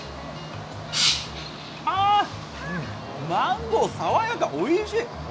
あ、マンゴー、爽やか、おいしい。